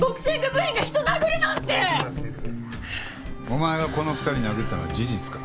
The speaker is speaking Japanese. お前がこの２人殴ったのは事実か？